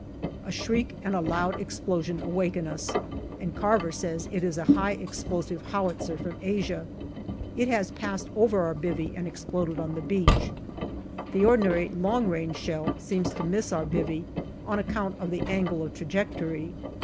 A shriek and a loud explosion awaken us, and Carver says it is a high explosive howitzer from Asia. It has passed over our " bivvy " and exploded on the beach. The ordinary long range shell seems to miss our " bivvy " on account of the angle of trajectory.